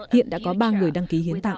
hiện đã có ba người đăng ký hiến tặng